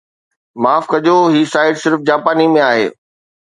معاف ڪجو هي سائيٽ صرف جاپاني ۾ آهي